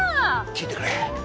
聞いてくれ。